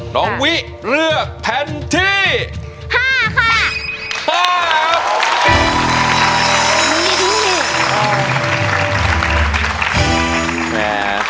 น้องวิเลือกแผ่นที่๕ค่ะ